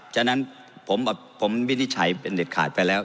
ฉะนั้นผมวินิจฉัยเป็นเด็ดขาดไปแล้ว